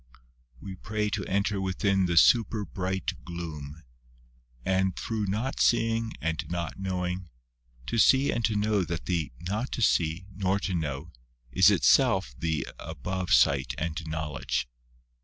/WE pray to enter within the super bright gloom, and through not seeing and not knowing, to see and to know that the not to see nor to know is itself the above sight and knowledge.